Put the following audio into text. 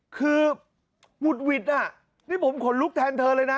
คือหุดหวิดน่ะนี่ผมขนลุกแทนเธอเลยนะ